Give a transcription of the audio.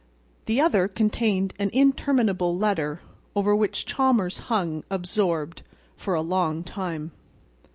The other contained an interminable letter, over which Chalmers hung, absorbed, for a long time.